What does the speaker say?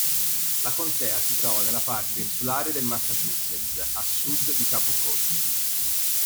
La contea si trova nella parte insulare del Massachusetts, a sud di Cape Cod.